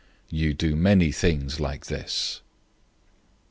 You do many things like this."